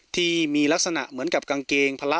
ที่มีลักษณะเหมือนกับกางเกงพละ